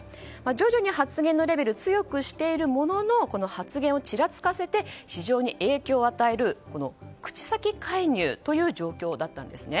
徐々に発言のレベルを強くしているものの発言をちらつかせて非常に影響を与える口先介入という状況でした。